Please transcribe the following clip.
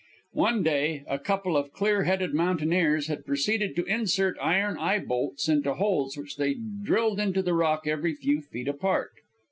One day, a couple of clear headed mountaineers had proceeded to insert iron eye bolts into holes which they drilled into the rock every few feet apart.